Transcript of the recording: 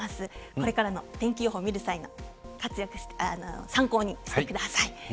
これからの天気予報を見る際の参考にしてください。